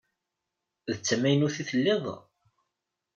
D tamaynut i telliḍ?